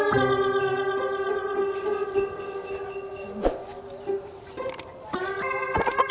keh gini ya